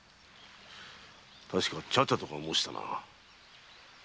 確か「茶々」とか申したな。